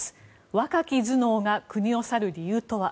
若き頭脳が国を去る理由とは？